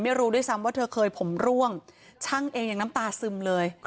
ไม่รู้ด้วยซ้ำว่าเธอเคยผมร่วงช่างเองยังน้ำตาซึมเลย